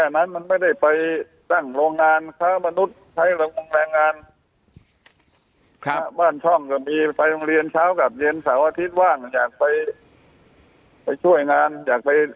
นั้นมันเป็นการทำโทษไม่ให้การทำร้าย